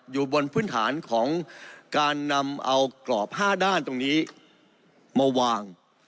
อยู่บนพื้นฐานของการนำเอากรอบ๕ด้านตรงนี้มาวาง